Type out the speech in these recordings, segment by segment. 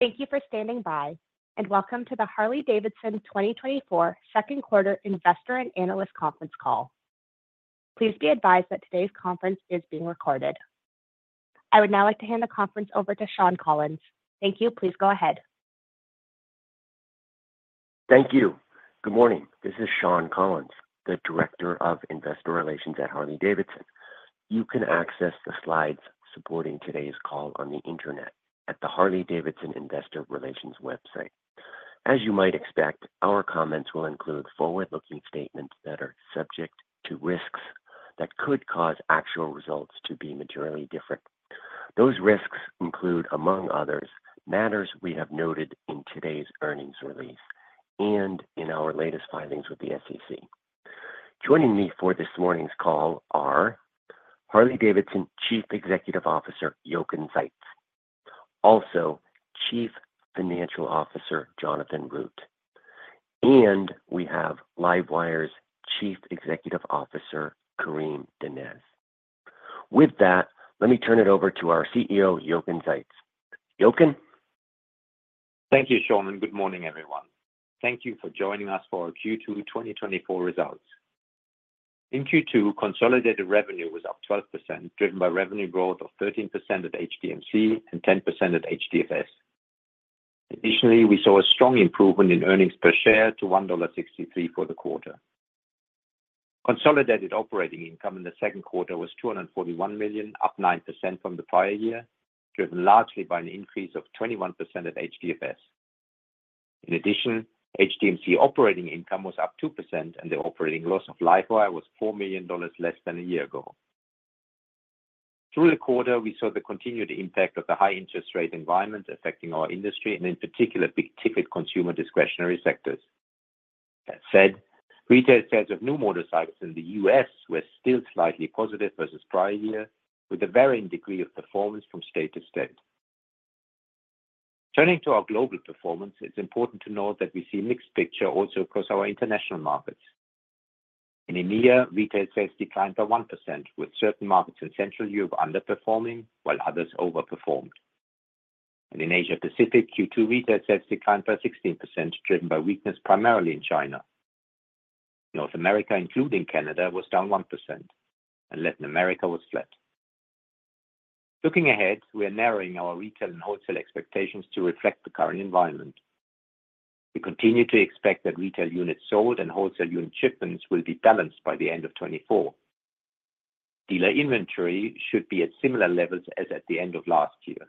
Thank you for standing by, and welcome to the Harley-Davidson 2024 Second Quarter Investor and Analyst Conference Call. Please be advised that today's conference is being recorded. I would now like to hand the conference over to Shawn Collins. Thank you, please go ahead. Thank you. Good morning. This is Shawn Collins, the Director of Investor Relations at Harley-Davidson. You can access the slides supporting today's call on the internet at the Harley-Davidson Investor Relations website. As you might expect, our comments will include forward-looking statements that are subject to risks that could cause actual results to be materially different. Those risks include, among others, matters we have noted in today's earnings release and in our latest filings with the SEC. Joining me for this morning's call are Harley-Davidson Chief Executive Officer Jochen Zeitz, also Chief Financial Officer Jonathan Root, and we have LiveWire's Chief Executive Officer Karim Donnez. With that, let me turn it over to our CEO, Jochen Zeitz. Jochen? Thank you, Shawn. Good morning, everyone. Thank you for joining us for our Q2 2024 results. In Q2, consolidated revenue was up 12%, driven by revenue growth of 13% at HDMC and 10% at HDFS. Additionally, we saw a strong improvement in earnings per share to $1.63 for the quarter. Consolidated operating income in the second quarter was $241 million, up 9% from the prior year, driven largely by an increase of 21% at HDFS. In addition, HDMC operating income was up 2%, and the operating loss of LiveWire was $4 million less than a year ago. Through the quarter, we saw the continued impact of the high interest rate environment affecting our industry, and in particular, big-ticket consumer discretionary sectors. That said, retail sales of new motorcycles in the U.S. were still slightly positive versus prior year, with a varying degree of performance from state to state. Turning to our global performance, it's important to note that we see a mixed picture also across our international markets. In India, retail sales declined by 1%, with certain markets in Central Europe underperforming while others overperformed. In Asia-Pacific, Q2 retail sales declined by 16%, driven by weakness primarily in China. North America, including Canada, was down 1%, and Latin America was flat. Looking ahead, we are narrowing our retail and wholesale expectations to reflect the current environment. We continue to expect that retail units sold and wholesale unit shipments will be balanced by the end of 2024. Dealer inventory should be at similar levels as at the end of last year.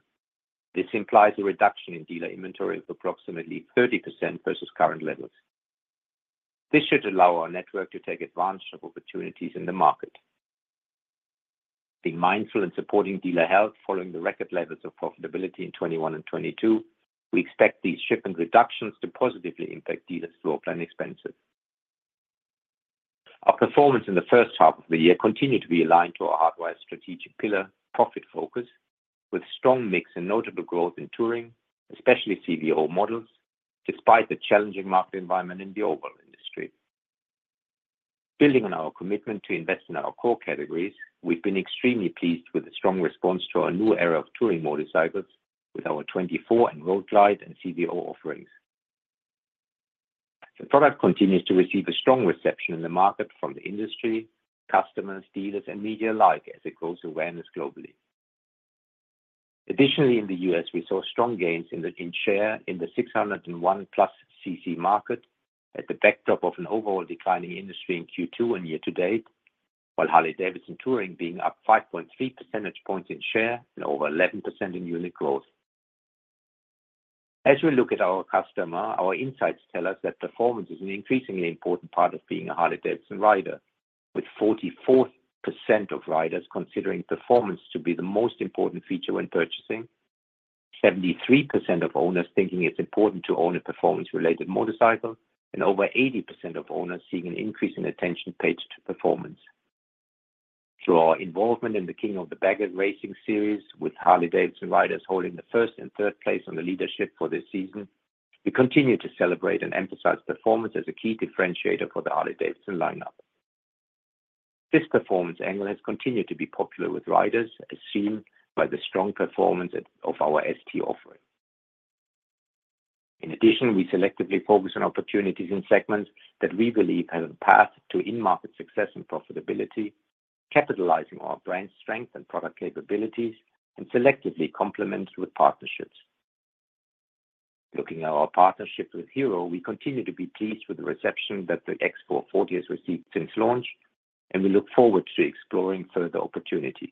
This implies a reduction in dealer inventory of approximately 30% versus current levels. This should allow our network to take advantage of opportunities in the market. Being mindful in supporting dealer health following the record levels of profitability in 2021 and 2022, we expect these shipment reductions to positively impact dealers' floor plan expenses. Our performance in the first half of the year continued to be aligned to our Hardwire strategic pillar, profit focus, with strong mix and notable growth in touring, especially CVO models, despite the challenging market environment in the overall industry. Building on our commitment to invest in our core categories, we've been extremely pleased with the strong response to our new era of touring motorcycles with our 2024 Road Glide and CVO offerings. The product continues to receive a strong reception in the market from the industry, customers, dealers, and media alike as it grows awareness globally. Additionally, in the U.S., we saw strong gains in share in the 601+ CC market at the backdrop of an overall declining industry in Q2 and year-to-date, while Harley-Davidson Touring being up 5.3 percentage points in share and over 11% in unit growth. As we look at our customer, our insights tell us that performance is an increasingly important part of being a Harley-Davidson rider, with 44% of riders considering performance to be the most important feature when purchasing, 73% of owners thinking it's important to own a performance-related motorcycle, and over 80% of owners seeing an increase in attention paid to performance. Through our involvement in the King of the Baggers Racing Series, with Harley-Davidson riders holding the first and third place on the leadership for this season, we continue to celebrate and emphasize performance as a key differentiator for the Harley-Davidson lineup. This performance angle has continued to be popular with riders, as seen by the strong performance of our ST offering. In addition, we selectively focus on opportunities in segments that we believe have a path to in-market success and profitability, capitalizing on our brand strength and product capabilities, and selectively complement with partnerships. Looking at our partnership with Hero, we continue to be pleased with the reception that the X440 has received since launch, and we look forward to exploring further opportunities.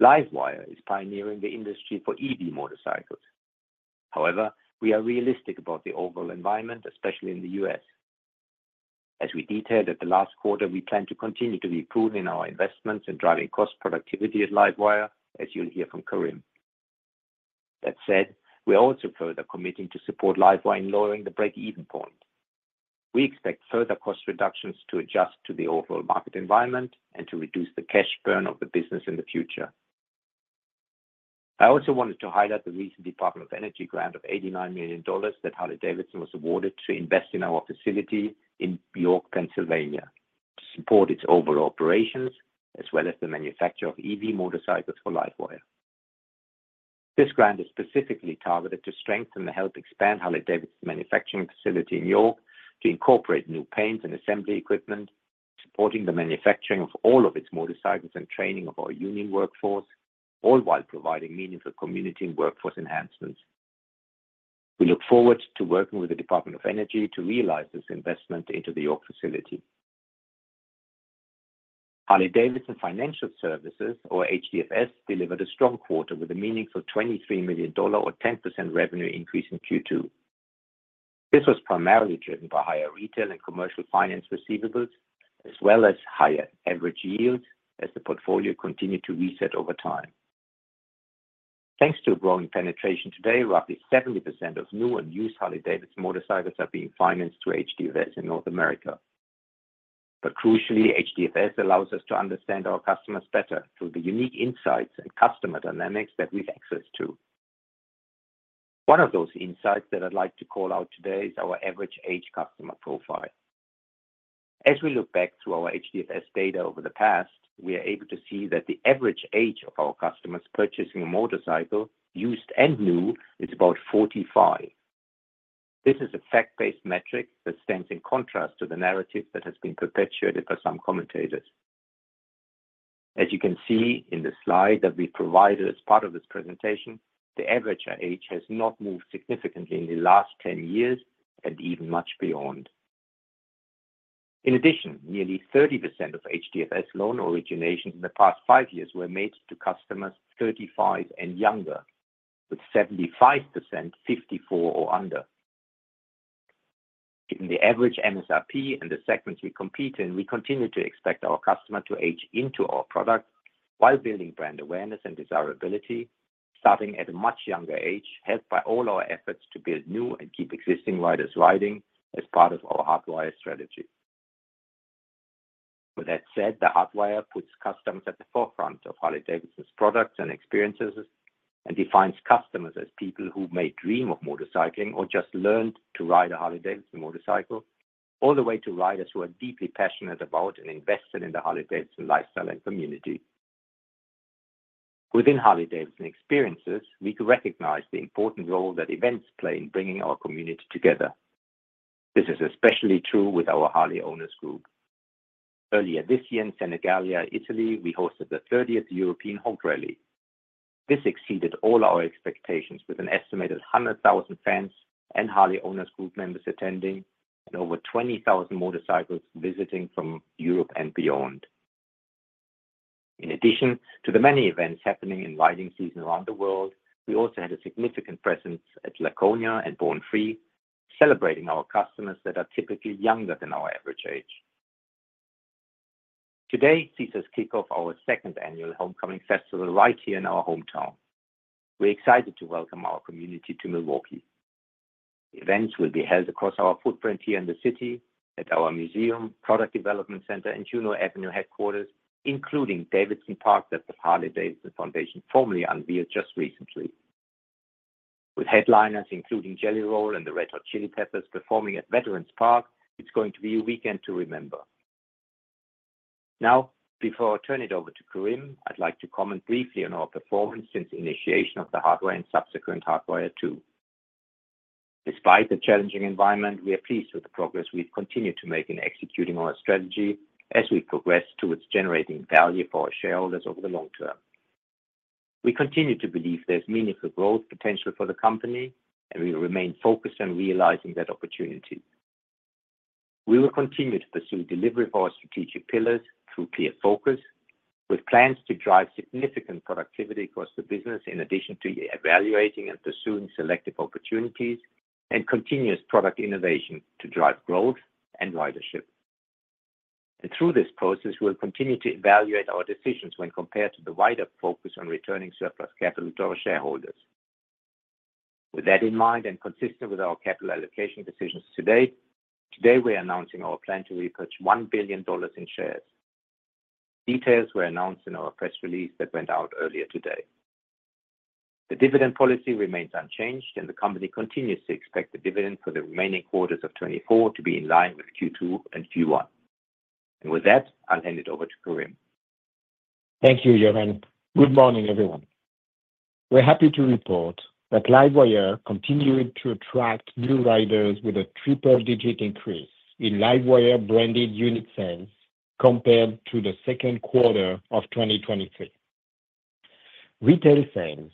LiveWire is pioneering the industry for EV motorcycles. However, we are realistic about the overall environment, especially in the U.S. As we detailed at the last quarter, we plan to continue to be prudent in our investments in driving cost productivity at LiveWire, as you'll hear from Karim. That said, we're also further committing to support LiveWire in lowering the break-even point. We expect further cost reductions to adjust to the overall market environment and to reduce the cash burn of the business in the future. I also wanted to highlight the recent Department of Energy grant of $89 million that Harley-Davidson was awarded to invest in our facility in York, Pennsylvania, to support its overall operations as well as the manufacture of EV motorcycles for LiveWire. This grant is specifically targeted to strengthen and help expand Harley-Davidson's manufacturing facility in York to incorporate new paints and assembly equipment, supporting the manufacturing of all of its motorcycles and training of our union workforce, all while providing meaningful community and workforce enhancements. We look forward to working with the Department of Energy to realize this investment into the York facility. Harley-Davidson Financial Services, or HDFS, delivered a strong quarter with a meaningful $23 million or 10% revenue increase in Q2. This was primarily driven by higher retail and commercial finance receivables, as well as higher average yields as the portfolio continued to reset over time. Thanks to growing penetration today, roughly 70% of new and used Harley-Davidson motorcycles are being financed through HDFS in North America. But crucially, HDFS allows us to understand our customers better through the unique insights and customer dynamics that we've accessed to. One of those insights that I'd like to call out today is our average age customer profile. As we look back through our HDFS data over the past, we are able to see that the average age of our customers purchasing a motorcycle, used and new, is about 45. This is a fact-based metric that stands in contrast to the narrative that has been perpetuated by some commentators. As you can see in the slide that we've provided as part of this presentation, the average age has not moved significantly in the last 10 years and even much beyond. In addition, nearly 30% of HDFS loan originations in the past 5 years were made to customers 35 and younger, with 75% 54 or under. In the average MSRP and the segments we compete in, we continue to expect our customer to age into our product while building brand awareness and desirability starting at a much younger age, helped by all our efforts to build new and keep existing riders riding as part of our Hardwire strategy. With that said, the Hardwire puts customers at the forefront of Harley-Davidson's products and experiences and defines customers as people who may dream of motorcycling or just learned to ride a Harley-Davidson motorcycle, all the way to riders who are deeply passionate about and invested in the Harley-Davidson lifestyle and community. Within Harley-Davidson experiences, we could recognize the important role that events play in bringing our community together. This is especially true with our Harley Owners Group. Earlier this year in Senigallia, Italy, we hosted the 30th European H.O.G. Rally. This exceeded all our expectations with an estimated 100,000 fans and Harley Owners Group members attending and over 20,000 motorcycles visiting from Europe and beyond. In addition to the many events happening in riding season around the world, we also had a significant presence at Laconia and Born-Free, celebrating our customers that are typically younger than our average age. Today sees us kick off our second annual Homecoming Festival right here in our hometown. We're excited to welcome our community to Milwaukee. Events will be held across our footprint here in the city, at our museum, product development center, and Juneau Avenue headquarters, including Davidson Park that the Harley-Davidson Foundation formally unveiled just recently. With headliners including Jelly Roll and the Red Hot Chili Peppers performing at Veterans Park, it's going to be a weekend to remember. Now, before I turn it over to Karim, I'd like to comment briefly on our performance since the initiation of the Hardwire and subsequent Hardwire 2. Despite the challenging environment, we are pleased with the progress we've continued to make in executing our strategy as we progress towards generating value for our shareholders over the long term. We continue to believe there's meaningful growth potential for the company, and we will remain focused on realizing that opportunity. We will continue to pursue delivery of our strategic pillars through clear focus, with plans to drive significant productivity across the business in addition to evaluating and pursuing selective opportunities and continuous product innovation to drive growth and ridership. Through this process, we'll continue to evaluate our decisions when compared to the wider focus on returning surplus capital to our shareholders. With that in mind and consistent with our capital allocation decisions to date, today we're announcing our plan to repurchase $1 billion in shares. Details were announced in our press release that went out earlier today. The dividend policy remains unchanged, and the company continues to expect the dividend for the remaining quarters of 2024 to be in line with Q2 and Q1. And with that, I'll hand it over to Karim. Thank you, Jochen. Good morning, everyone. We're happy to report that LiveWire continued to attract new riders with a triple-digit increase in LiveWire branded unit sales compared to the second quarter of 2023. Retail sales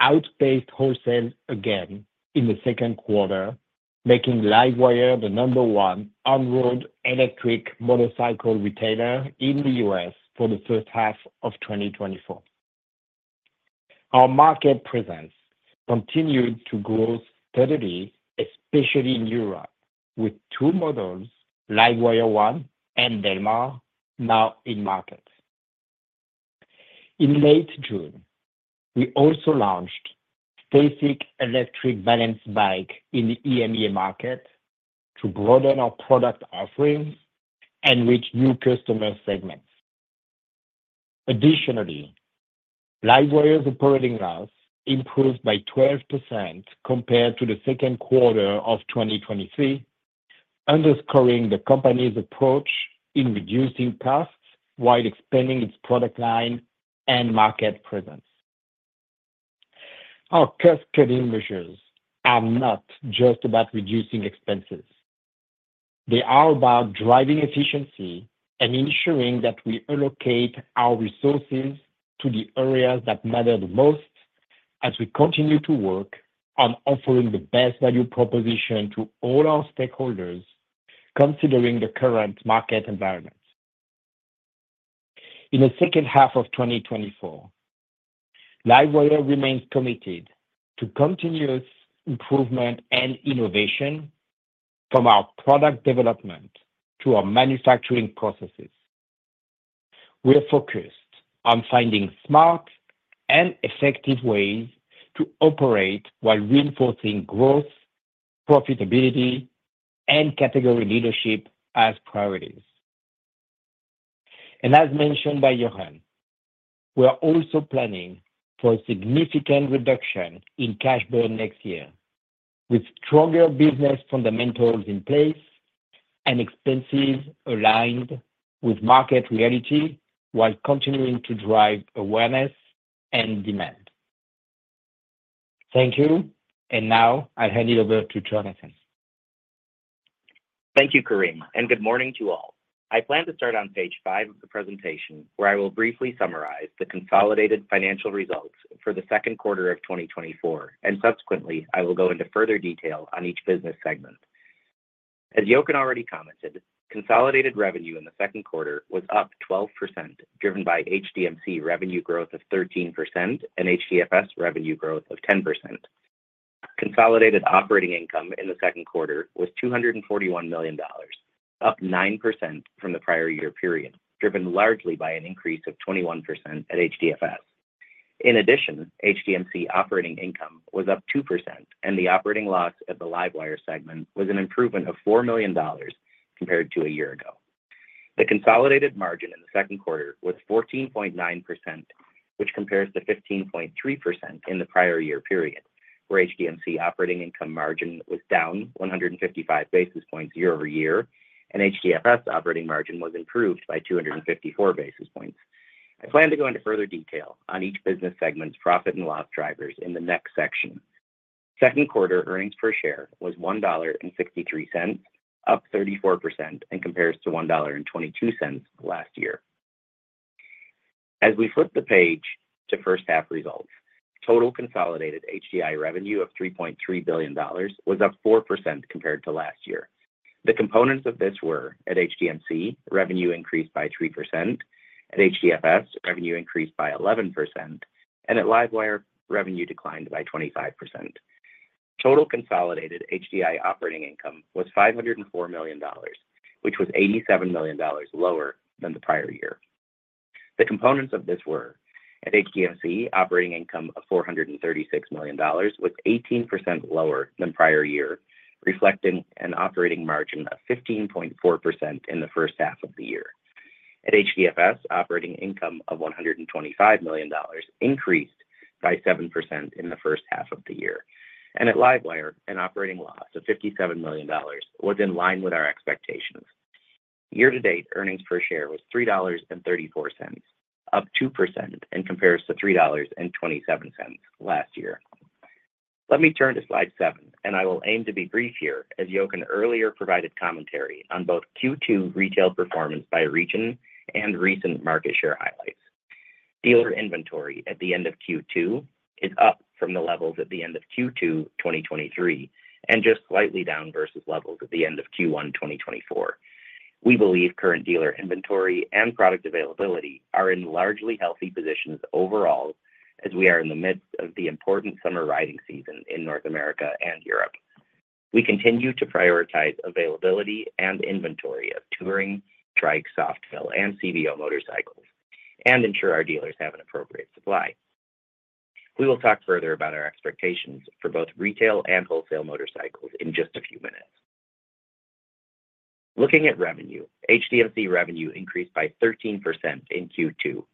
outpaced wholesale again in the second quarter, making LiveWire the number one on-road electric motorcycle retailer in the U.S. for the first half of 2024. Our market presence continued to grow steadily, especially in Europe, with two models, LiveWire ONE and Del Mar, now in market. In late June, we also launched a basic electric balance bike in the EMEA market to broaden our product offerings and reach new customer segments. Additionally, LiveWire's operating loss improved by 12% compared to the second quarter of 2023, underscoring the company's approach in reducing costs while expanding its product line and market presence. Our custodian measures are not just about reducing expenses. They are about driving efficiency and ensuring that we allocate our resources to the areas that matter the most as we continue to work on offering the best value proposition to all our stakeholders, considering the current market environment. In the second half of 2024, LiveWire remains committed to continuous improvement and innovation from our product development to our manufacturing processes. We are focused on finding smart and effective ways to operate while reinforcing growth, profitability, and category leadership as priorities. And as mentioned by Jochen, we are also planning for a significant reduction in cash burn next year, with stronger business fundamentals in place and expenses aligned with market reality while continuing to drive awareness and demand. Thank you. And now I'll hand it over to Jonathan. Thank you, Karim, and good morning to all. I plan to start on page five of the presentation, where I will briefly summarize the consolidated financial results for the second quarter of 2024, and subsequently, I will go into further detail on each business segment. As Jochen already commented, consolidated revenue in the second quarter was up 12%, driven by HDMC revenue growth of 13% and HDFS revenue growth of 10%. Consolidated operating income in the second quarter was $241 million, up 9% from the prior year period, driven largely by an increase of 21% at HDFS. In addition, HDMC operating income was up 2%, and the operating loss at the LiveWire segment was an improvement of $4 million compared to a year ago. The consolidated margin in the second quarter was 14.9%, which compares to 15.3% in the prior year period, where HDMC operating income margin was down 155 basis points year over year, and HDFS operating margin was improved by 254 basis points. I plan to go into further detail on each business segment's profit and loss drivers in the next section. Second quarter earnings per share was $1.63, up 34% in comparison to $1.22 last year. As we flip the page to first-half results, total consolidated HDI revenue of $3.3 billion was up 4% compared to last year. The components of this were at HDMC, revenue increased by 3%; at HDFS, revenue increased by 11%; and at LiveWire, revenue declined by 25%. Total consolidated HDI operating income was $504 million, which was $87 million lower than the prior year. The components of this were at HDMC, operating income of $436 million was 18% lower than prior year, reflecting an operating margin of 15.4% in the first half of the year. At HDFS, operating income of $125 million increased by 7% in the first half of the year. And at LiveWire, an operating loss of $57 million was in line with our expectations. Year-to-date earnings per share was $3.34, up 2% in comparison to $3.27 last year. Let me turn to slide seven, and I will aim to be brief here as Jochen earlier provided commentary on both Q2 retail performance by region and recent market share highlights. Dealer inventory at the end of Q2 is up from the levels at the end of Q2 2023 and just slightly down versus levels at the end of Q1 2024. We believe current dealer inventory and product availability are in largely healthy positions overall as we are in the midst of the important summer riding season in North America and Europe. We continue to prioritize availability and inventory of touring, trike, Softail, and CVO motorcycles and ensure our dealers have an appropriate supply. We will talk further about our expectations for both retail and wholesale motorcycles in just a few minutes. Looking at revenue, HDMC revenue increased by 13% in Q2.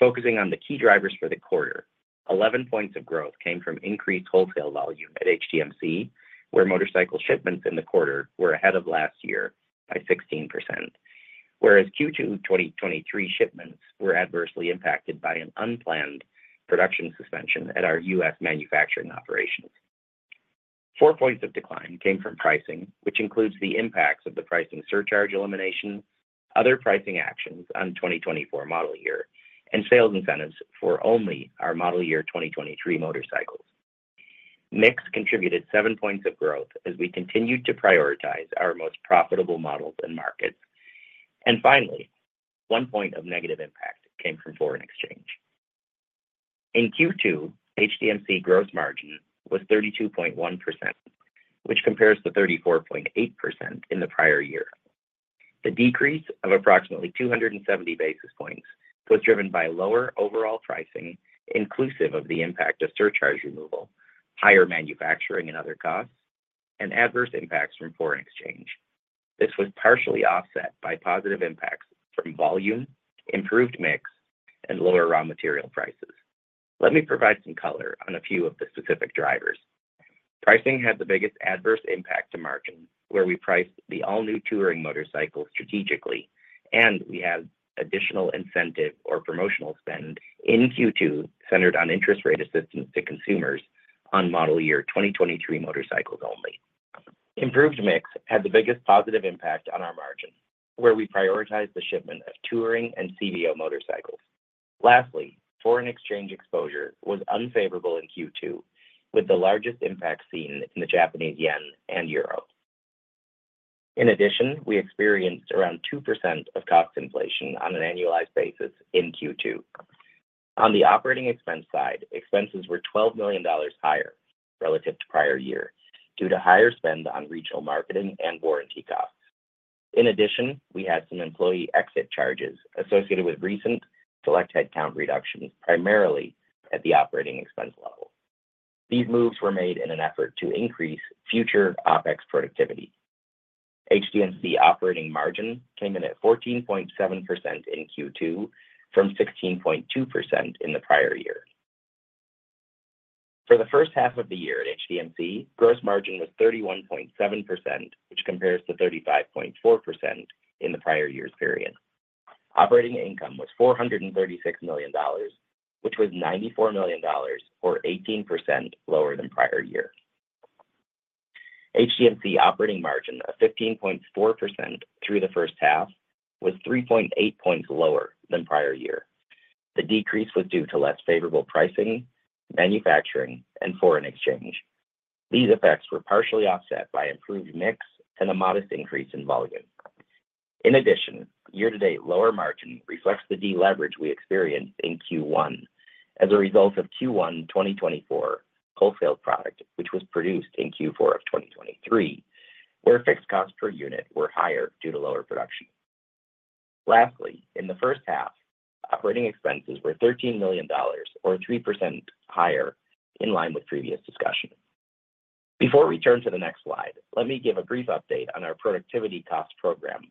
Focusing on the key drivers for the quarter, 11 points of growth came from increased wholesale volume at HDMC, where motorcycle shipments in the quarter were ahead of last year by 16%, whereas Q2 2023 shipments were adversely impacted by an unplanned production suspension at our U.S. manufacturing operations. 4 points of decline came from pricing, which includes the impacts of the pricing surcharge elimination, other pricing actions on 2024 model year, and sales incentives for only our model year 2023 motorcycles. Mix contributed 7 points of growth as we continued to prioritize our most profitable models and markets. Finally, 1 point of negative impact came from foreign exchange. In Q2, HDMC gross margin was 32.1%, which compares to 34.8% in the prior year. The decrease of approximately 270 basis points was driven by lower overall pricing, inclusive of the impact of surcharge removal, higher manufacturing and other costs, and adverse impacts from foreign exchange. This was partially offset by positive impacts from volume, improved mix, and lower raw material prices. Let me provide some color on a few of the specific drivers. Pricing had the biggest adverse impact to margin, where we priced the all-new touring motorcycle strategically, and we had additional incentive or promotional spend in Q2 centered on interest rate assistance to consumers on model year 2023 motorcycles only. Improved mix had the biggest positive impact on our margin, where we prioritized the shipment of touring and CVO motorcycles. Lastly, foreign exchange exposure was unfavorable in Q2, with the largest impact seen in the Japanese yen and euro. In addition, we experienced around 2% of cost inflation on an annualized basis in Q2. On the operating expense side, expenses were $12 million higher relative to prior year due to higher spend on regional marketing and warranty costs. In addition, we had some employee exit charges associated with recent select headcount reductions primarily at the operating expense level. These moves were made in an effort to increase future OpEx productivity. HDMC operating margin came in at 14.7% in Q2 from 16.2% in the prior year. For the first half of the year at HDMC, gross margin was 31.7%, which compares to 35.4% in the prior year's period. Operating income was $436 million, which was $94 million, or 18% lower than prior year. HDMC operating margin of 15.4% through the first half was 3.8 points lower than prior year. The decrease was due to less favorable pricing, manufacturing, and foreign exchange. These effects were partially offset by improved mix and a modest increase in volume. In addition, year-to-date lower margin reflects the deleverage we experienced in Q1 as a result of Q1 2024 wholesale product, which was produced in Q4 of 2023, where fixed costs per unit were higher due to lower production. Lastly, in the first half, operating expenses were $13 million, or 3% higher, in line with previous discussion. Before we turn to the next slide, let me give a brief update on our productivity cost program,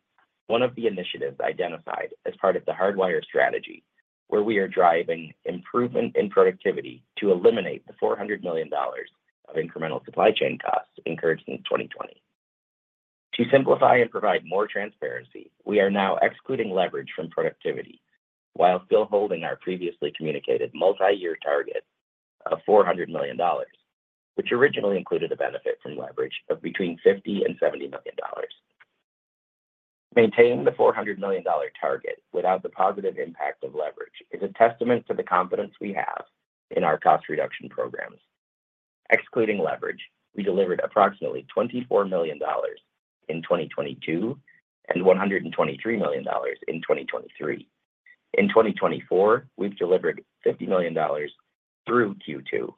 one of the initiatives identified as part of the Hardwire strategy, where we are driving improvement in productivity to eliminate the $400 million of incremental supply chain costs incurred since 2020. To simplify and provide more transparency, we are now excluding leverage from productivity while still holding our previously communicated multi-year target of $400 million, which originally included a benefit from leverage of $50-$70 million. Maintaining the $400 million target without the positive impact of leverage is a testament to the confidence we have in our cost reduction programs. Excluding leverage, we delivered approximately $24 million in 2022 and $123 million in 2023. In 2024, we've delivered $50 million through Q2.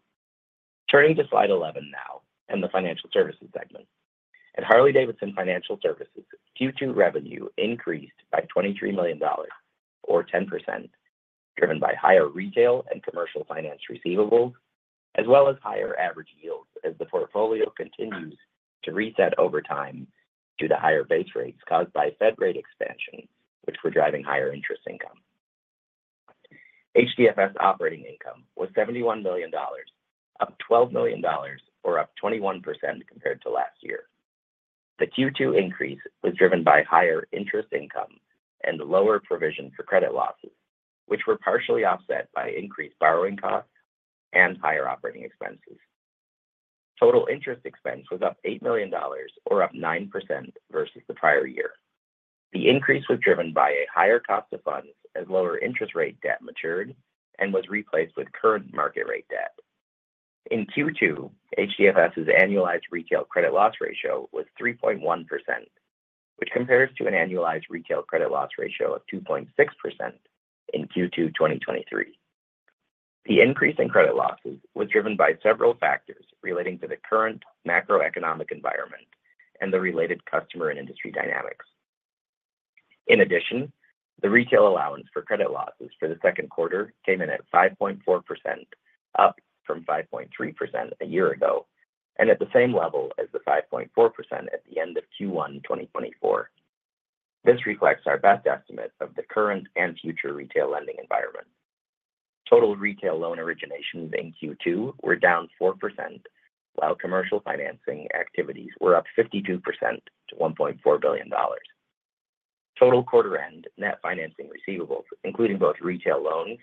Turning to slide 11 now and the financial services segment. At Harley-Davidson Financial Services, Q2 revenue increased by $23 million, or 10%, driven by higher retail and commercial finance receivables, as well as higher average yields as the portfolio continues to reset over time due to higher base rates caused by Fed rate expansion, which were driving higher interest income. HDFS operating income was $71 million, up $12 million, or up 21% compared to last year. The Q2 increase was driven by higher interest income and lower provision for credit losses, which were partially offset by increased borrowing costs and higher operating expenses. Total interest expense was up $8 million, or up 9% versus the prior year. The increase was driven by a higher cost of funds as lower interest rate debt matured and was replaced with current market rate debt. In Q2, HDFS's annualized retail credit loss ratio was 3.1%, which compares to an annualized retail credit loss ratio of 2.6% in Q2 2023. The increase in credit losses was driven by several factors relating to the current macroeconomic environment and the related customer and industry dynamics. In addition, the retail allowance for credit losses for the second quarter came in at 5.4%, up from 5.3% a year ago and at the same level as the 5.4% at the end of Q1 2024. This reflects our best estimate of the current and future retail lending environment. Total retail loan originations in Q2 were down 4%, while commercial financing activities were up 52% to $1.4 billion. Total quarter-end net financing receivables, including both retail loans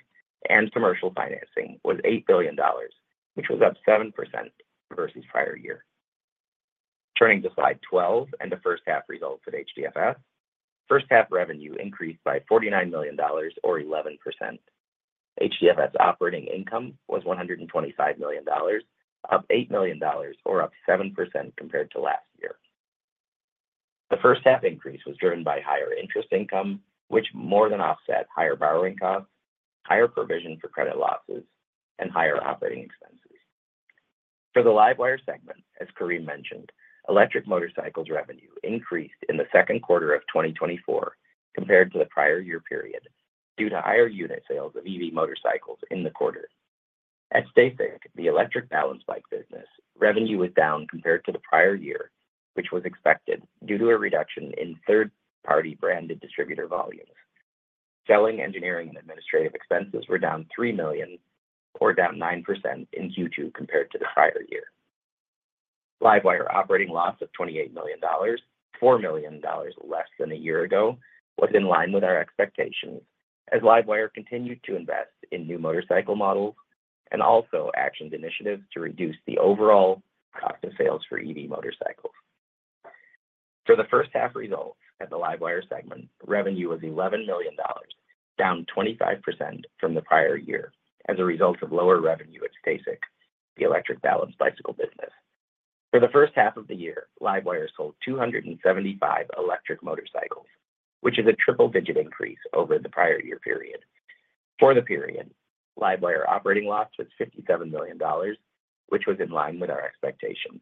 and commercial financing, was $8 billion, which was up 7% versus prior year. Turning to slide 12 and the first-half results at HDFS, first-half revenue increased by $49 million, or 11%. HDFS operating income was $125 million, up $8 million, or up 7% compared to last year. The first-half increase was driven by higher interest income, which more than offset higher borrowing costs, higher provision for credit losses, and higher operating expenses. For the LiveWire segment, as Karim mentioned, electric motorcycles revenue increased in the second quarter of 2024 compared to the prior year period due to higher unit sales of EV motorcycles in the quarter. At STACYC, the electric balance bike business revenue was down compared to the prior year, which was expected due to a reduction in third-party branded distributor volumes. Selling, engineering, and administrative expenses were down $3 million, or down 9% in Q2 compared to the prior year. LiveWire operating loss of $28 million, $4 million less than a year ago, was in line with our expectations as LiveWire continued to invest in new motorcycle models and also actioned initiatives to reduce the overall cost of sales for EV motorcycles. For the first-half results at the LiveWire segment, revenue was $11 million, down 25% from the prior year as a result of lower revenue at STACYC, the electric balance bicycle business. For the first half of the year, LiveWire sold 275 electric motorcycles, which is a triple-digit increase over the prior year period. For the period, LiveWire operating loss was $57 million, which was in line with our expectations.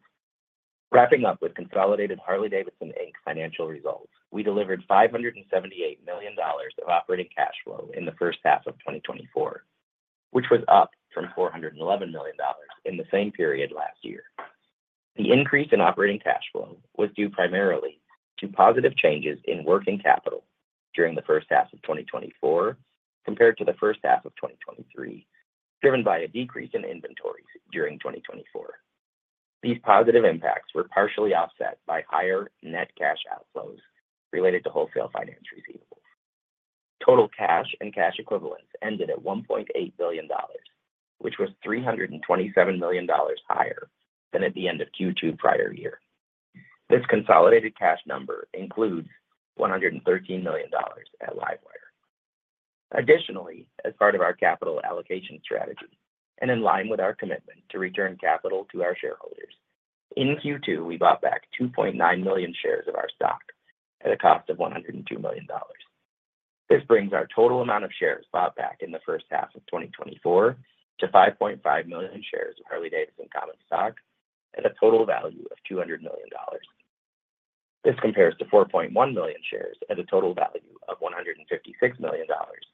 Wrapping up with consolidated Harley-Davidson Inc. financial results, we delivered $578 million of operating cash flow in the first half of 2024, which was up from $411 million in the same period last year. The increase in operating cash flow was due primarily to positive changes in working capital during the first half of 2024 compared to the first half of 2023, driven by a decrease in inventories during 2024. These positive impacts were partially offset by higher net cash outflows related to wholesale finance receivables. Total cash and cash equivalents ended at $1.8 billion, which was $327 million higher than at the end of Q2 prior year. This consolidated cash number includes $113 million at LiveWire. Additionally, as part of our capital allocation strategy and in line with our commitment to return capital to our shareholders, in Q2, we bought back 2.9 million shares of our stock at a cost of $102 million. This brings our total amount of shares bought back in the first half of 2024 to 5.5 million shares of Harley-Davidson Common Stock at a total value of $200 million. This compares to 4.1 million shares at a total value of $156 million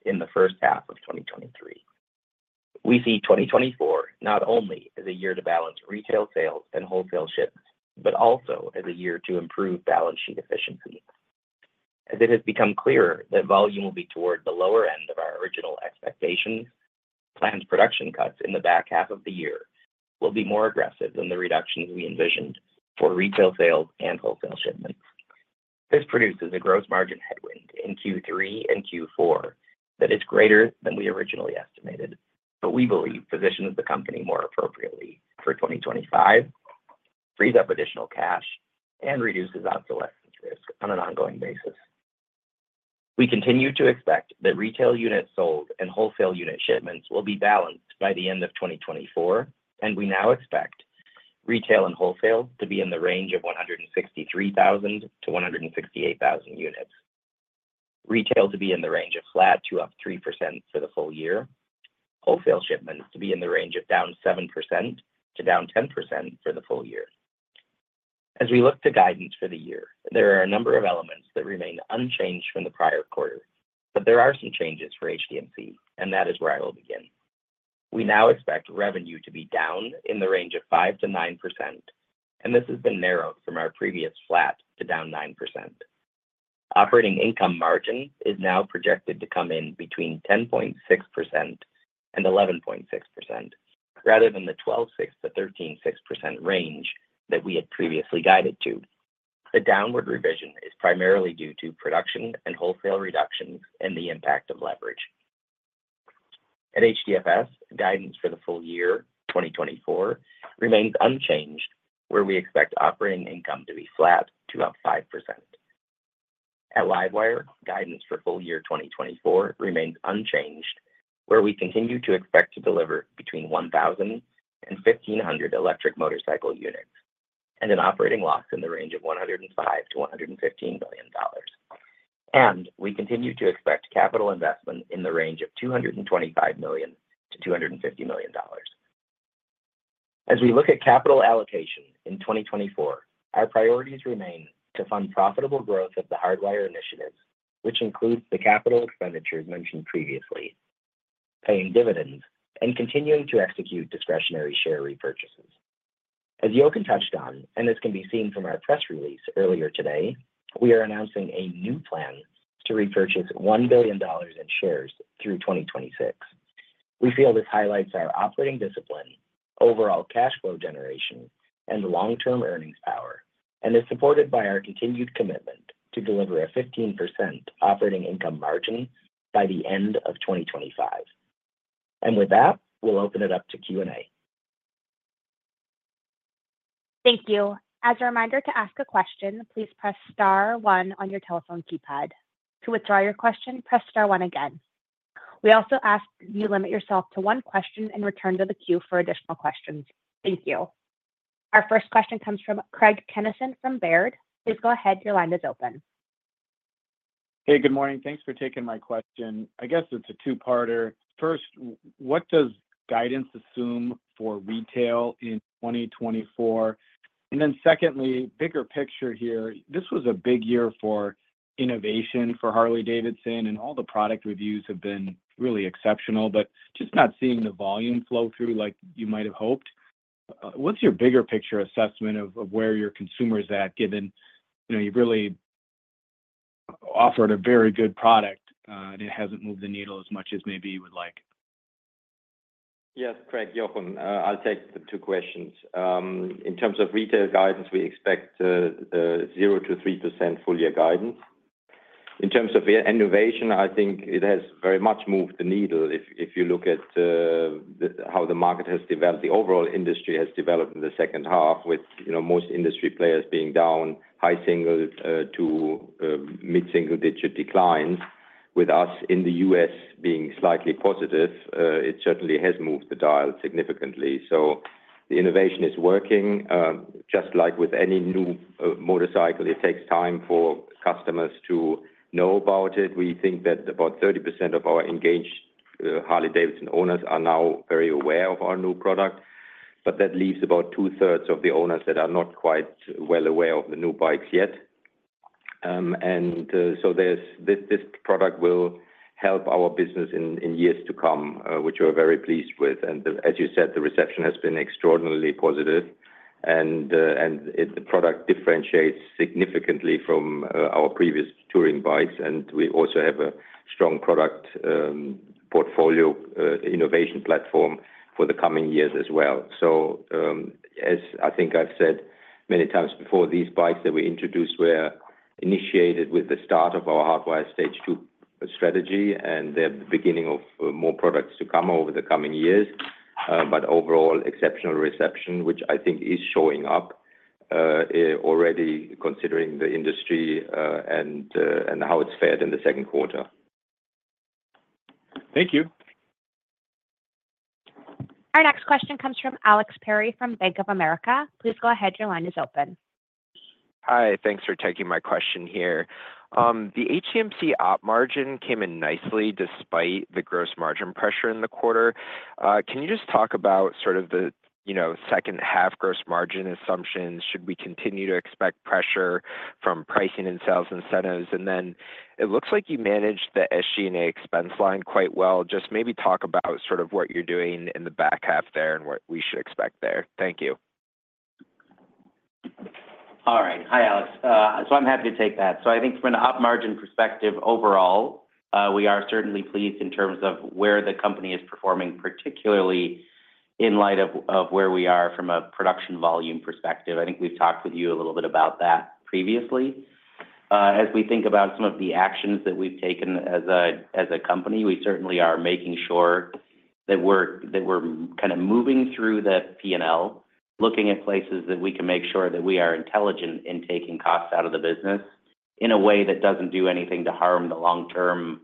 in the first half of 2023. We see 2024 not only as a year to balance retail sales and wholesale shipments, but also as a year to improve balance sheet efficiency. As it has become clearer that volume will be toward the lower end of our original expectations, planned production cuts in the back half of the year will be more aggressive than the reductions we envisioned for retail sales and wholesale shipments. This produces a gross margin headwind in Q3 and Q4 that is greater than we originally estimated, but we believe positions the company more appropriately for 2025, frees up additional cash, and reduces obsolescence risk on an ongoing basis. We continue to expect that retail units sold and wholesale unit shipments will be balanced by the end of 2024, and we now expect retail and wholesale to be in the range of 163,000-168,000 units, retail to be in the range of flat to up 3% for the full year, wholesale shipments to be in the range of down 7%-10% for the full year. As we look to guidance for the year, there are a number of elements that remain unchanged from the prior quarter, but there are some changes for HDMC, and that is where I will begin. We now expect revenue to be down in the range of 5%-9%, and this has been narrowed from our previous flat to down 9%. Operating income margin is now projected to come in between 10.6% and 11.6%, rather than the 12.6%-13.6% range that we had previously guided to. The downward revision is primarily due to production and wholesale reductions and the impact of leverage. At HDFS, guidance for the full year, 2024, remains unchanged, where we expect operating income to be flat to up 5%. At LiveWire, guidance for full year 2024 remains unchanged, where we continue to expect to deliver between 1,000 and 1,500 electric motorcycle units and an operating loss in the range of $105-$115 million. We continue to expect capital investment in the range of $225 million-$250 million. As we look at capital allocation in 2024, our priorities remain to fund profitable growth of the Hardwire initiatives, which includes the capital expenditures mentioned previously, paying dividends, and continuing to execute discretionary share repurchases. As Jochen touched on, and as can be seen from our press release earlier today, we are announcing a new plan to repurchase $1 Billion in shares through 2026. We feel this highlights our operating discipline, overall cash flow generation, and long-term earnings power, and is supported by our continued commitment to deliver a 15% operating income margin by the end of 2025. And with that, we'll open it up to Q&A. Thank you. As a reminder to ask a question, please press star one on your telephone keypad. To withdraw your question, press star one again. We also ask that you limit yourself to one question and return to the queue for additional questions. Thank you. Our first question comes from Craig Kennison from Baird. Please go ahead. Your line is open. Hey, good morning. Thanks for taking my question. I guess it's a two-parter. First, what does guidance assume for retail in 2024? And then secondly, bigger picture here. This was a big year for innovation for Harley-Davidson, and all the product reviews have been really exceptional, but just not seeing the volume flow through like you might have hoped. What's your bigger picture assessment of where your consumers at, given you've really offered a very good product and it hasn't moved the needle as much as maybe you would like? Yes, Craig, Jochen, I'll take the two questions. In terms of retail guidance, we expect 0%-3% full-year guidance. In terms of innovation, I think it has very much moved the needle if you look at how the market has developed. The overall industry has developed in the second half, with most industry players being down high single- to mid-single-digit declines. With us in the U.S. being slightly positive, it certainly has moved the dial significantly. The innovation is working. Just like with any new motorcycle, it takes time for customers to know about it. We think that about 30% of our engaged Harley-Davidson owners are now very aware of our new product, but that leaves about two-thirds of the owners that are not quite well aware of the new bikes yet. This product will help our business in years to come, which we're very pleased with. As you said, the reception has been extraordinarily positive, and the product differentiates significantly from our previous touring bikes. We also have a strong product portfolio innovation platform for the coming years as well. So as I think I've said many times before, these bikes that we introduced were initiated with the start of our Hardwire Stage 2 strategy, and they're the beginning of more products to come over the coming years. But overall, exceptional reception, which I think is showing up already considering the industry and how it's fared in the second quarter. Thank you. Our next question comes from Alex Perry from Bank of America. Please go ahead. Your line is open. Hi. Thanks for taking my question here. The HDMC op margin came in nicely despite the gross margin pressure in the quarter. Can you just talk about sort of the second-half gross margin assumptions? Should we continue to expect pressure from pricing and sales incentives? And then it looks like you managed the SG&A expense line quite well. Just maybe talk about sort of what you're doing in the back half there and what we should expect there. Thank you. All right. Hi, Alex. So I'm happy to take that. So I think from an op margin perspective, overall, we are certainly pleased in terms of where the company is performing, particularly in light of where we are from a production volume perspective. I think we've talked with you a little bit about that previously. As we think about some of the actions that we've taken as a company, we certainly are making sure that we're kind of moving through the P&L, looking at places that we can make sure that we are intelligent in taking costs out of the business in a way that doesn't do anything to harm the long-term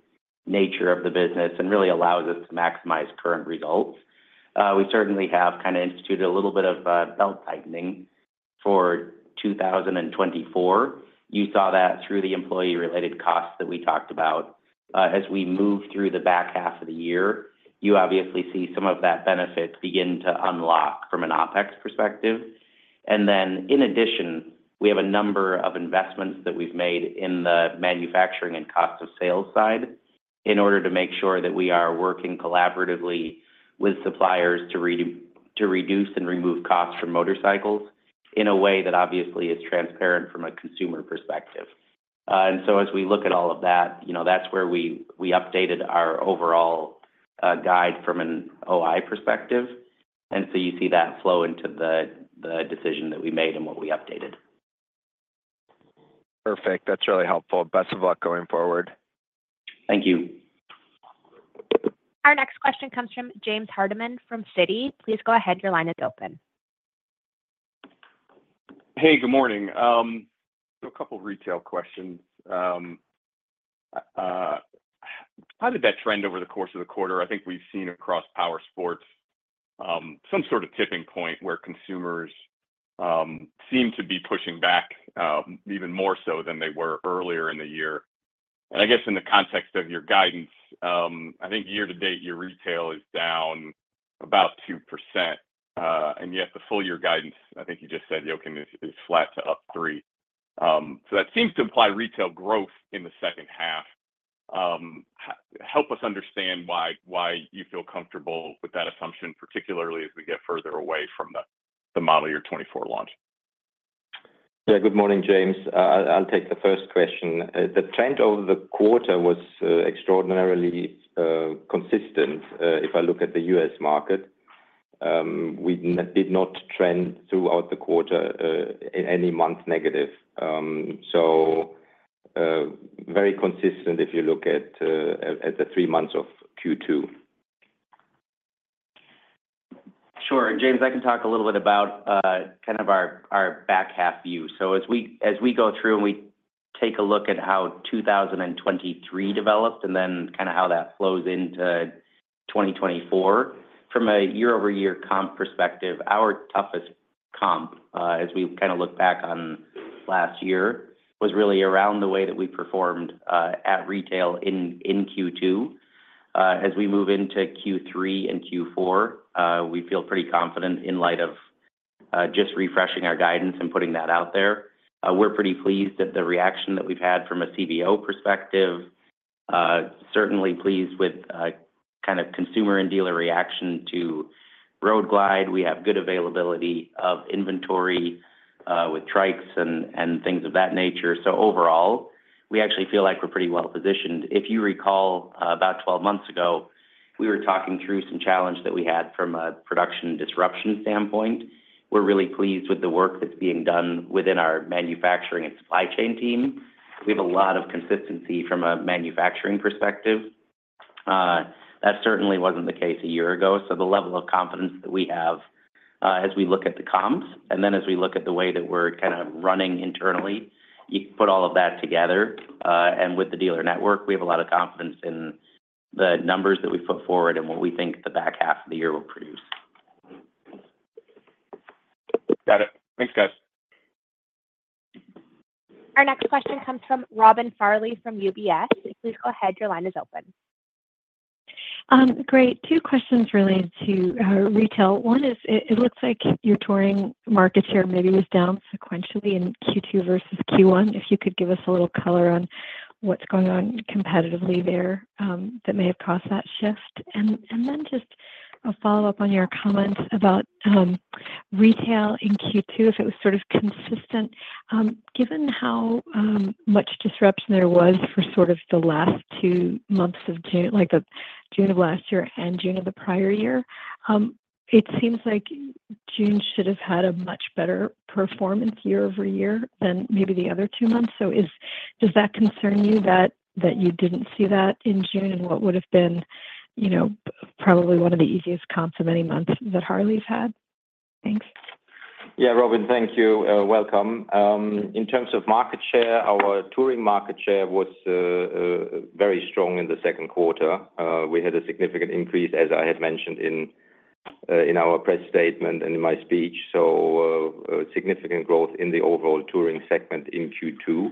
nature of the business and really allows us to maximize current results. We certainly have kind of instituted a little bit of belt tightening for 2024. You saw that through the employee-related costs that we talked about. As we move through the back half of the year, you obviously see some of that benefit begin to unlock from an OpEx perspective. And then in addition, we have a number of investments that we've made in the manufacturing and cost of sales side in order to make sure that we are working collaboratively with suppliers to reduce and remove costs from motorcycles in a way that obviously is transparent from a consumer perspective. And so as we look at all of that, that's where we updated our overall guide from an OI perspective. And so you see that flow into the decision that we made and what we updated. Perfect. That's really helpful. Best of luck going forward. Thank you. Our next question comes from James Hardiman from Citi. Please go ahead. Your line is open. Hey, good morning. A couple of retail questions. How did that trend over the course of the quarter? I think we've seen across Power Sports some sort of tipping point where consumers seem to be pushing back even more so than they were earlier in the year. And I guess in the context of your guidance, I think year-to-date your retail is down about 2%, and yet the full-year guidance, I think you just said, Jochen, is flat to up 3%. So that seems to imply retail growth in the second half. Help us understand why you feel comfortable with that assumption, particularly as we get further away from the model year 2024 launch. Yeah. Good morning, James. I'll take the first question. The trend over the quarter was extraordinarily consistent if I look at the U.S. market. We did not trend throughout the quarter in any month negative. So very consistent if you look at the three months of Q2. Sure. James, I can talk a little bit about kind of our back half view. So as we go through and we take a look at how 2023 developed and then kind of how that flows into 2024, from a year-over-year comp perspective, our toughest comp, as we kind of look back on last year, was really around the way that we performed at retail in Q2. As we move into Q3 and Q4, we feel pretty confident in light of just refreshing our guidance and putting that out there. We're pretty pleased that the reaction that we've had from a CVO perspective, certainly pleased with kind of consumer and dealer reaction to Road Glide. We have good availability of inventory with trikes and things of that nature. So overall, we actually feel like we're pretty well positioned. If you recall, about 12 months ago, we were talking through some challenges that we had from a production disruption standpoint. We're really pleased with the work that's being done within our manufacturing and supply chain team. We have a lot of consistency from a manufacturing perspective. That certainly wasn't the case a year ago. So the level of confidence that we have as we look at the comps and then as we look at the way that we're kind of running internally, you put all of that together. And with the dealer network, we have a lot of confidence in the numbers that we put forward and what we think the back half of the year will produce. Got it. Thanks, guys. Our next question comes from Robin Farley from UBS. Please go ahead. Your line is open. Great. Two questions related to retail. One is, it looks like your touring market share maybe was down sequentially in Q2 versus Q1. If you could give us a little color on what's going on competitively there that may have caused that shift. And then just a follow-up on your comments about retail in Q2, if it was sort of consistent. Given how much disruption there was for sort of the last two months of June, like the June of last year and June of the prior year, it seems like June should have had a much better performance year-over-year than maybe the other two months. So does that concern you that you didn't see that in June and what would have been probably one of the easiest comps of any month that Harley's had? Thanks. Yeah, Robin, thank you. Welcome. In terms of market share, our touring market share was very strong in the second quarter. We had a significant increase, as I had mentioned in our press statement and in my speech. So significant growth in the overall touring segment in Q2.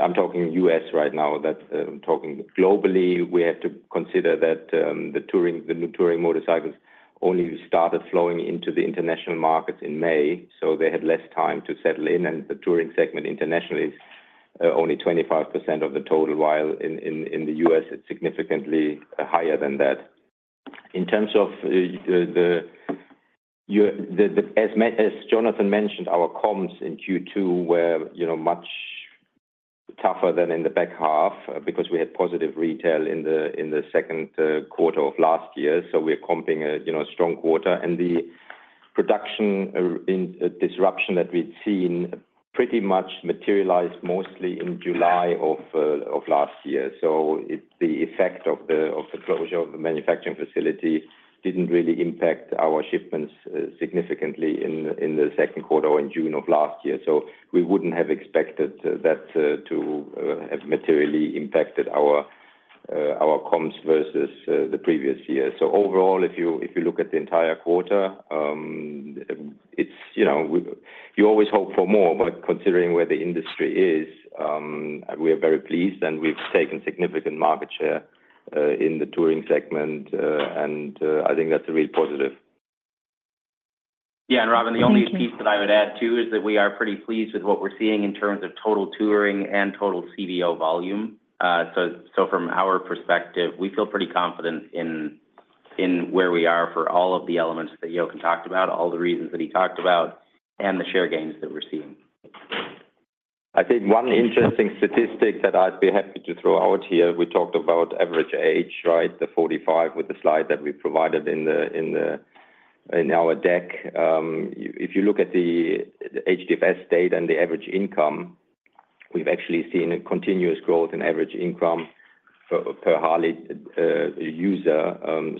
I'm talking US right now. I'm talking globally. We have to consider that the new touring motorcycles only started flowing into the international markets in May, so they had less time to settle in. The touring segment internationally is only 25% of the total, while in the US, it's significantly higher than that. In terms of, as Jonathan mentioned, our comps in Q2 were much tougher than in the back half because we had positive retail in the second quarter of last year. We're comping a strong quarter. The production disruption that we'd seen pretty much materialized mostly in July of last year. The effect of the closure of the manufacturing facility didn't really impact our shipments significantly in the second quarter or in June of last year. We wouldn't have expected that to have materially impacted our comps versus the previous year. So overall, if you look at the entire quarter, you always hope for more, but considering where the industry is, we are very pleased, and we've taken significant market share in the touring segment, and I think that's a real positive. Yeah. And Robin, the only piece that I would add too is that we are pretty pleased with what we're seeing in terms of total touring and total CVO volume. So from our perspective, we feel pretty confident in where we are for all of the elements that Jochen talked about, all the reasons that he talked about, and the share gains that we're seeing. I think one interesting statistic that I'd be happy to throw out here, we talked about average age, right, 45 with the slide that we provided in our deck. If you look at the HDFS data and the average income, we've actually seen a continuous growth in average income per Harley user.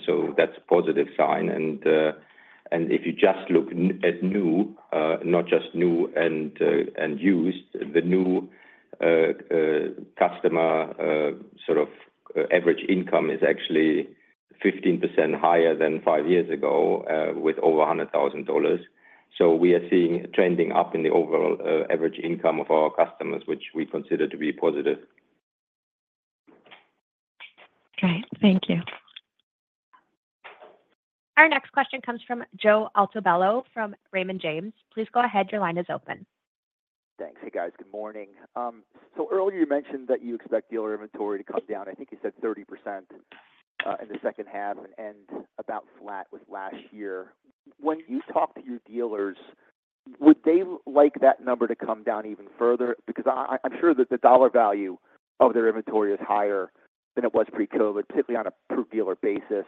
So that's a positive sign. And if you just look at new, not just new and used, the new customer sort of average income is actually 15% higher than five years ago with over $100,000. So we are seeing trending up in the overall average income of our customers, which we consider to be positive. Right. Thank you. Our next question comes from Joe Altobello from Raymond James. Please go ahead. Your line is open. Thanks. Hey, guys. Good morning. So earlier, you mentioned that you expect dealer inventory to come down. I think you said 30% in the second half and about flat with last year. When you talk to your dealers, would they like that number to come down even further? Because I'm sure that the dollar value of their inventory is higher than it was pre-COVID, particularly on a per dealer basis.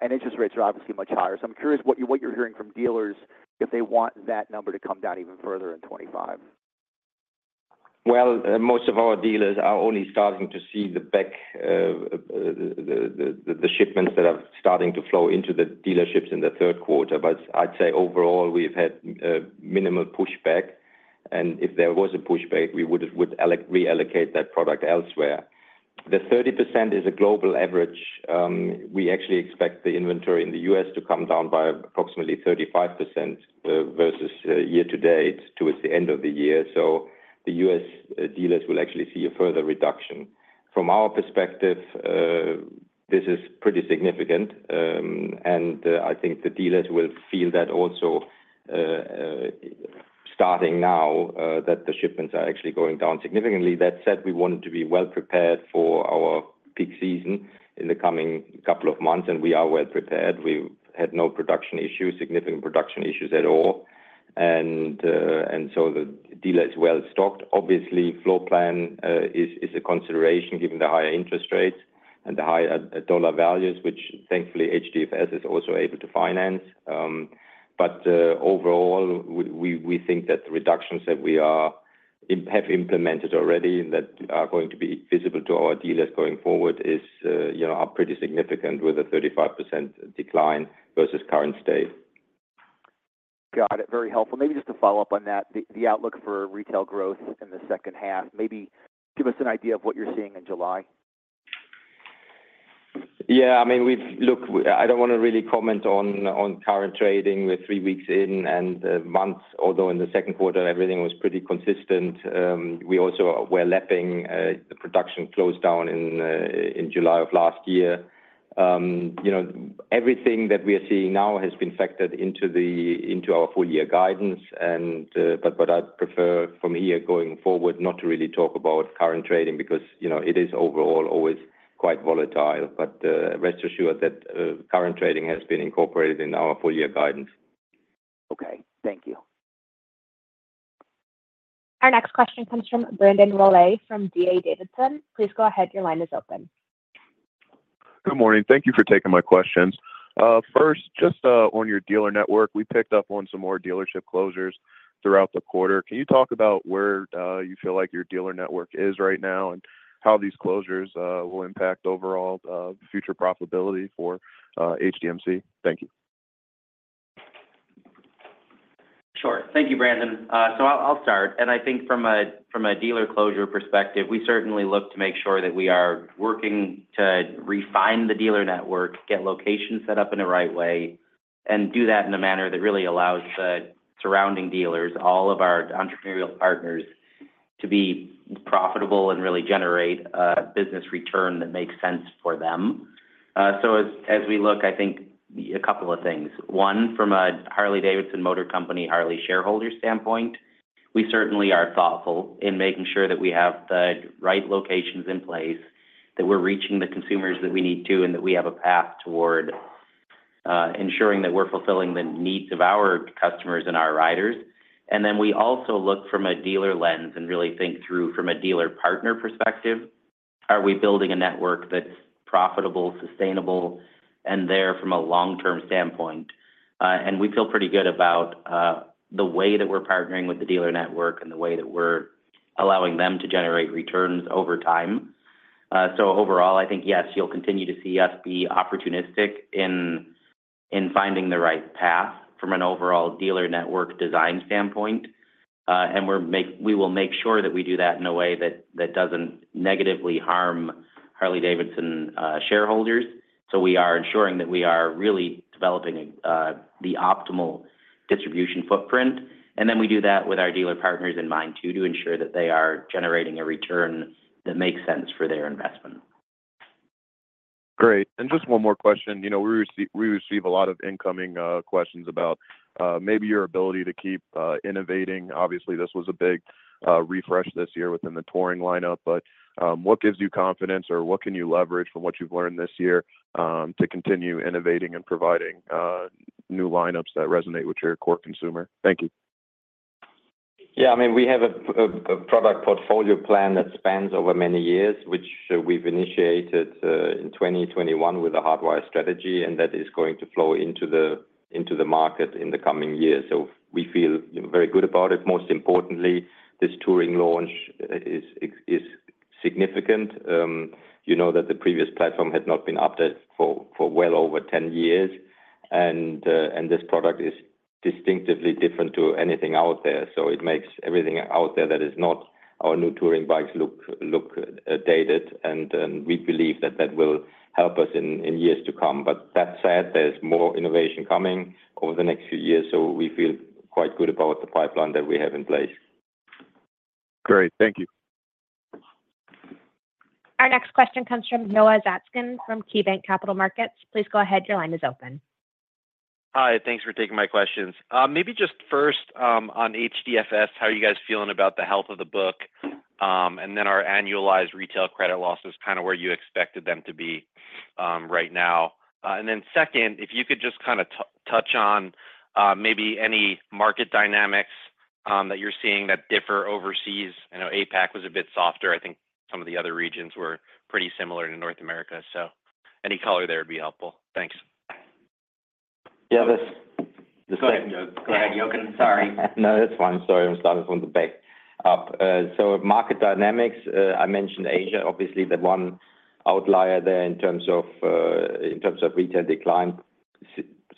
And interest rates are obviously much higher. So I'm curious what you're hearing from dealers if they want that number to come down even further in 2025. Well, most of our dealers are only starting to see the back, the shipments that are starting to flow into the dealerships in the third quarter. But I'd say overall, we've had minimal pushback. And if there was a pushback, we would reallocate that product elsewhere. The 30% is a global average. We actually expect the inventory in the US to come down by approximately 35% versus year-to-date towards the end of the year. So the US dealers will actually see a further reduction. From our perspective, this is pretty significant. I think the dealers will feel that also starting now that the shipments are actually going down significantly. That said, we wanted to be well prepared for our peak season in the coming couple of months, and we are well prepared. We had no significant production issues at all. And so the dealer is well stocked. Obviously, floor plan is a consideration given the higher interest rates and the higher dollar values, which thankfully HDFS is also able to finance. But overall, we think that the reductions that we have implemented already that are going to be visible to our dealers going forward are pretty significant with a 35% decline versus current state. Got it. Very helpful. Maybe just to follow up on that, the outlook for retail growth in the second half, maybe give us an idea of what you're seeing in July. Yeah. I mean, look, I don't want to really comment on current trading. We're three weeks in and months, although in the second quarter, everything was pretty consistent. We also were lapping the production close down in July of last year. Everything that we are seeing now has been factored into our full-year guidance. But what I'd prefer from here going forward, not to really talk about current trading because it is overall always quite volatile. But rest assured that current trading has been incorporated in our full-year guidance. Okay. Thank you. Our next question comes from Brandon Rolle from D.A. Davidson. Please go ahead. Your line is open. Good morning. Thank you for taking my questions. First, just on your dealer network, we picked up on some more dealership closures throughout the quarter. Can you talk about where you feel like your dealer network is right now and how these closures will impact overall future profitability for HDMC? Thank you. Sure. Thank you, Brandon. I'll start. I think from a dealer closure perspective, we certainly look to make sure that we are working to refine the dealer network, get locations set up in the right way, and do that in a manner that really allows the surrounding dealers, all of our entrepreneurial partners, to be profitable and really generate a business return that makes sense for them. As we look, I think a couple of things. One, from a Harley-Davidson Motor Company Harley shareholder standpoint, we certainly are thoughtful in making sure that we have the right locations in place, that we're reaching the consumers that we need to, and that we have a path toward ensuring that we're fulfilling the needs of our customers and our riders. And then we also look from a dealer lens and really think through from a dealer partner perspective. Are we building a network that's profitable, sustainable, and there from a long-term standpoint? And we feel pretty good about the way that we're partnering with the dealer network and the way that we're allowing them to generate returns over time. So overall, I think, yes, you'll continue to see us be opportunistic in finding the right path from an overall dealer network design standpoint. We will make sure that we do that in a way that doesn't negatively harm Harley-Davidson shareholders. So we are ensuring that we are really developing the optimal distribution footprint. Then we do that with our dealer partners in mind too to ensure that they are generating a return that makes sense for their investment. Great. Just one more question. We receive a lot of incoming questions about maybe your ability to keep innovating. Obviously, this was a big refresh this year within the touring lineup. But what gives you confidence, or what can you leverage from what you've learned this year to continue innovating and providing new lineups that resonate with your core consumer? Thank you. Yeah. I mean, we have a product portfolio plan that spans over many years, which we've initiated in 2021 with a Hardwire strategy, and that is going to flow into the market in the coming years. So we feel very good about it. Most importantly, this touring launch is significant. You know that the previous platform had not been updated for well over 10 years, and this product is distinctively different to anything out there. So it makes everything out there that is not our new touring bikes look dated. And we believe that that will help us in years to come. But that said, there's more innovation coming over the next few years. So we feel quite good about the pipeline that we have in place. Great. Thank you. Our next question comes from Noah Zatzkin from KeyBanc Capital Markets. Please go ahead. Your line is open. Hi. Thanks for taking my questions. Maybe just first on HDFS, how are you guys feeling about the health of the book? And then our annualized retail credit loss is kind of where you expected them to be right now. And then second, if you could just kind of touch on maybe any market dynamics that you're seeing that differ overseas. I know APAC was a bit softer. I think some of the other regions were pretty similar in North America. So any color there would be helpful. Thanks. Yeah. This is Craig Kennison. Sorry. No, that's fine. Sorry. I'm starting from the back up. So market dynamics, I mentioned Asia. Obviously, the one outlier there in terms of retail decline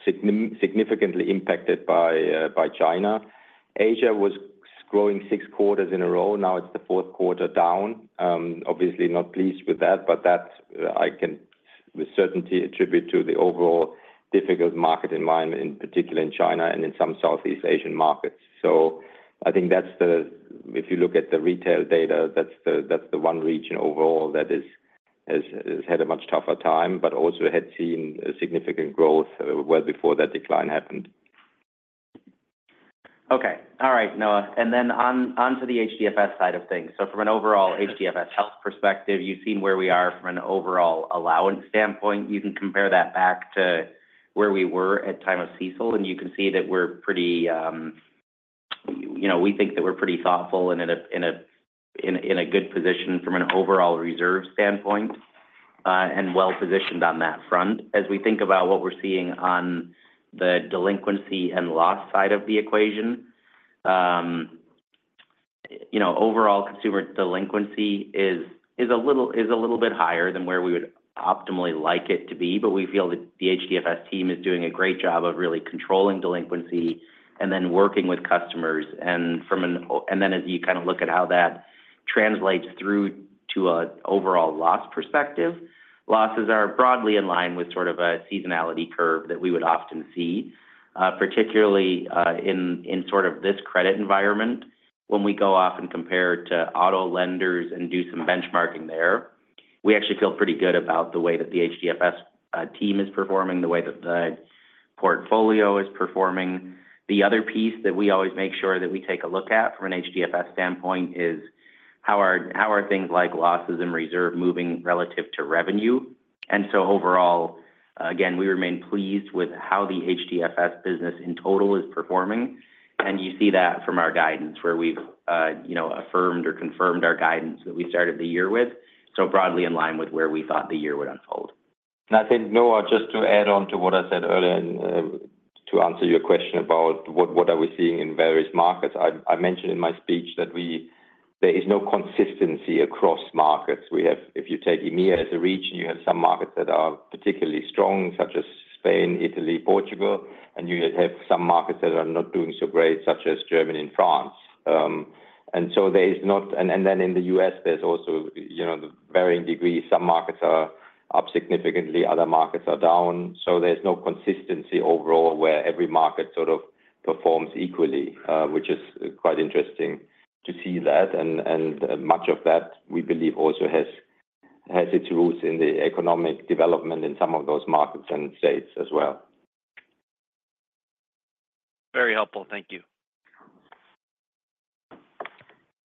significantly impacted by China. Asia was growing six quarters in a row. Now it's the fourth quarter down. Obviously, not pleased with that, but that I can with certainty attribute to the overall difficult market environment, in particular in China and in some Southeast Asian markets. So I think that's the if you look at the retail data, that's the one region overall that has had a much tougher time, but also had seen significant growth well before that decline happened. Okay. All right, Noah. Then onto the HDFS side of things. So from an overall HDFS health perspective, you've seen where we are from an overall allowance standpoint. You can compare that back to where we were at time of CECL, and you can see that we think that we're pretty thoughtful and in a good position from an overall reserve standpoint and well positioned on that front. As we think about what we're seeing on the delinquency and loss side of the equation, overall consumer delinquency is a little bit higher than where we would optimally like it to be. But we feel that the HDFS team is doing a great job of really controlling delinquency and then working with customers. And then as you kind of look at how that translates through to an overall loss perspective, losses are broadly in line with sort of a seasonality curve that we would often see, particularly in sort of this credit environment. When we go off and compare to auto lenders and do some benchmarking there, we actually feel pretty good about the way that the HDFS team is performing, the way that the portfolio is performing. The other piece that we always make sure that we take a look at from an HDFS standpoint is how are things like losses and reserve moving relative to revenue. And so overall, again, we remain pleased with how the HDFS business in total is performing. And you see that from our guidance where we've affirmed or confirmed our guidance that we started the year with. So broadly in line with where we thought the year would unfold. And I think, Noah, just to add on to what I said earlier to answer your question about what are we seeing in various markets. I mentioned in my speech that there is no consistency across markets. If you take EMEA as a region, you have some markets that are particularly strong, such as Spain, Italy, Portugal, and you have some markets that are not doing so great, such as Germany and France. And so there is not and then in the U.S., there's also the varying degree. Some markets are up significantly. Other markets are down. So there's no consistency overall where every market sort of performs equally, which is quite interesting to see that. And much of that, we believe, also has its roots in the economic development in some of those markets and states as well. Very helpful. Thank you.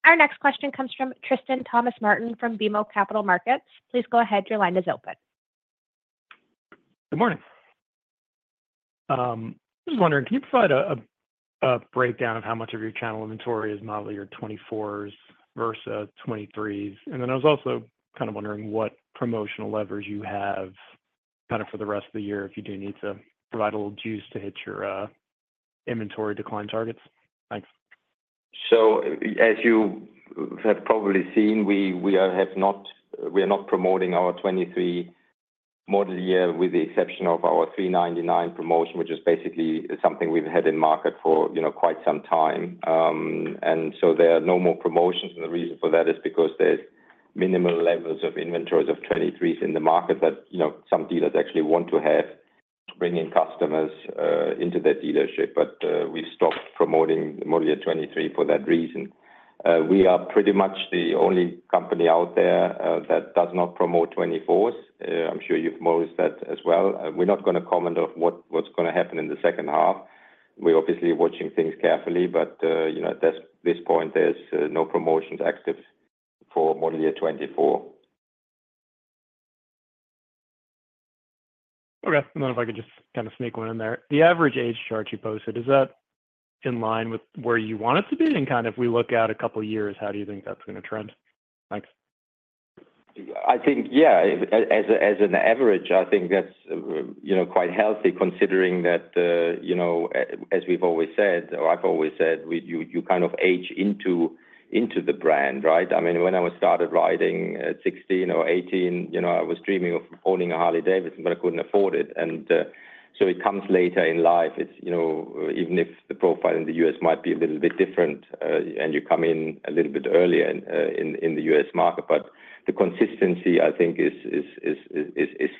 Our next question comes from Tristan M. Thomas-Martin from BMO Capital Markets. Please go ahead. Your line is open. Good morning. I was wondering, can you provide a breakdown of how much of your channel inventory is modeled on your 2024s versus 2023s? Then I was also kind of wondering what promotional levers you have kind of for the rest of the year if you do need to provide a little juice to hit your inventory decline targets. Thanks. As you have probably seen, we are not promoting our 2023 model year with the exception of our $399 promotion, which is basically something we've had in market for quite some time. And so there are no more promotions. And the reason for that is because there's minimal levels of inventories of 2023s in the market that some dealers actually want to have to bring in customers into their dealership. But we've stopped promoting the model year 2023 for that reason. We are pretty much the only company out there that does not promote 2024s. I'm sure you've noticed that as well. We're not going to comment on what's going to happen in the second half. We're obviously watching things carefully, but at this point, there's no promotions active for model year 2024. Okay. And then if I could just kind of sneak one in there. The average age chart you posted, is that in line with where you want it to be? And kind of if we look out a couple of years, how do you think that's going to trend? Thanks. I think, yeah, as an average, I think that's quite healthy considering that, as we've always said, or I've always said, you kind of age into the brand, right? I mean, when I was started riding at 16 or 18, I was dreaming of owning a Harley-Davidson, but I couldn't afford it. And so it comes later in life. Even if the profile in the U.S. might be a little bit different and you come in a little bit earlier in the U.S. market, but the consistency, I think, is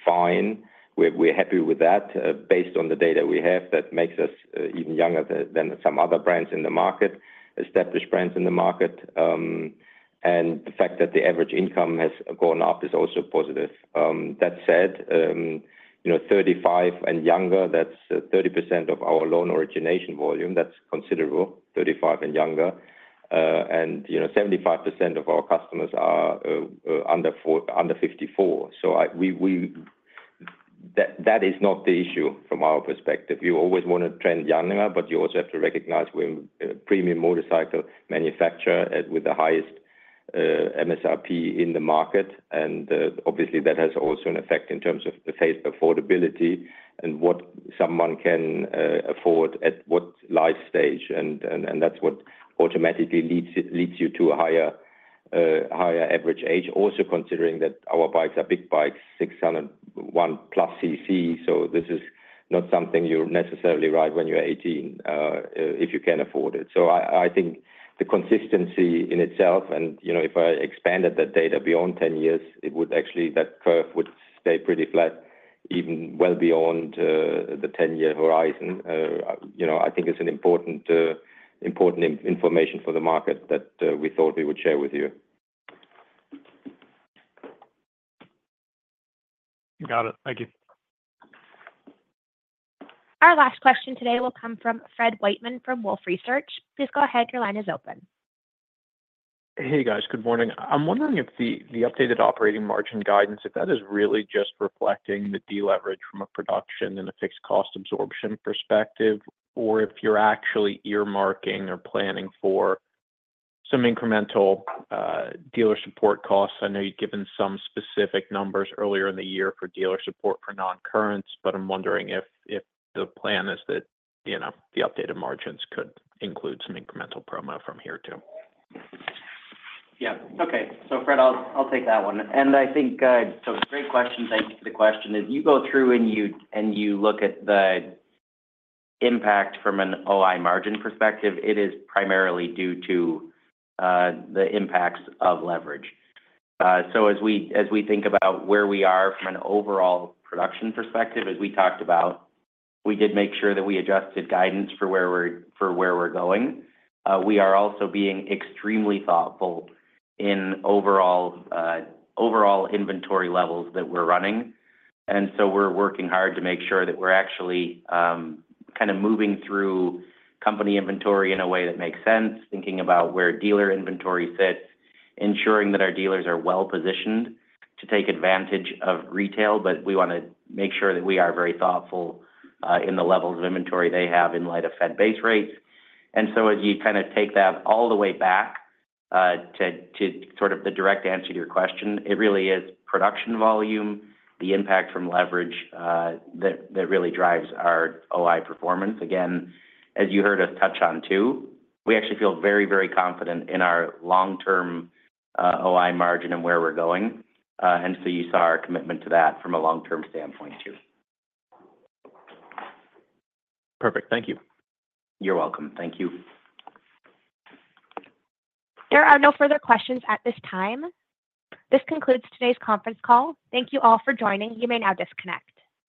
fine. We're happy with that based on the data we have that makes us even younger than some other brands in the market, established brands in the market. The fact that the average income has gone up is also positive. That said, 35 and younger, that's 30% of our loan origination volume. That's considerable, 35 and younger. And 75% of our customers are under 54. So that is not the issue from our perspective. You always want to trend younger, but you also have to recognize we're a premium motorcycle manufacturer with the highest MSRP in the market. And obviously, that has also an effect in terms of the face of affordability and what someone can afford at what life stage. And that's what automatically leads you to a higher average age, also considering that our bikes are big bikes, 601+ cc. So this is not something you necessarily ride when you're 18 if you can afford it. So I think the consistency in itself, and if I expanded that data beyond 10 years, it would actually that curve would stay pretty flat even well beyond the 10-year horizon. I think it's important information for the market that we thought we would share with you. Got it. Thank you. Our last question today will come from Fred Wightman from Wolfe Research. Please go ahead. Your line is open. Hey, guys. Good morning. I'm wondering if the updated operating margin guidance, if that is really just reflecting the deleverage from a production and a fixed cost absorption perspective, or if you're actually earmarking or planning for some incremental dealer support costs. I know you've given some specific numbers earlier in the year for dealer support for non-currents, but I'm wondering if the plan is that the updated margins could include some incremental promo from here too. Yeah. Okay. So, Fred, I'll take that one. And I think so great question. Thank you for the question. As you go through and you look at the impact from an OI margin perspective, it is primarily due to the impacts of leverage. So as we think about where we are from an overall production perspective, as we talked about, we did make sure that we adjusted guidance for where we're going. We are also being extremely thoughtful in overall inventory levels that we're running. And so we're working hard to make sure that we're actually kind of moving through company inventory in a way that makes sense, thinking about where dealer inventory sits, ensuring that our dealers are well positioned to take advantage of retail. But we want to make sure that we are very thoughtful in the levels of inventory they have in light of Fed base rates. And so as you kind of take that all the way back to sort of the direct answer to your question, it really is production volume, the impact from leverage that really drives our OI performance. Again, as you heard us touch on too, we actually feel very, very confident in our long-term OI margin and where we're going. And so you saw our commitment to that from a long-term standpoint too. Perfect. Thank you. You're welcome. Thank you. There are no further questions at this time. This concludes today's conference call. Thank you all for joining. You may now disconnect.